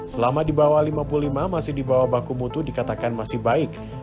selama di bawah lima puluh lima masih di bawah baku mutu dikatakan masih baik